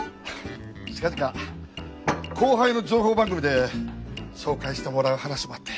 近々後輩の情報番組で紹介してもらう話もあって。